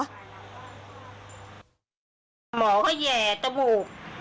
หมอก็แห่ตะบุก